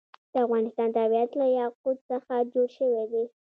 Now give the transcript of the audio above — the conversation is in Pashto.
د افغانستان طبیعت له یاقوت څخه جوړ شوی دی.